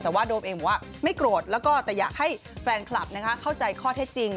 แต่ว่าโดมเองบอกว่าไม่โกรธแล้วก็แต่อยากให้แฟนคลับเข้าใจข้อเท็จจริง